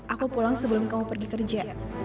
aku pulang sebelum kamu pergi kerja